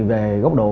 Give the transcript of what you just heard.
về góc độ